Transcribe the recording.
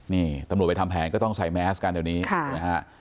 นี่ตำรวจไปทำแผนก็ต้องใส่แมสกันเดี๋ยวนี้นะฮะ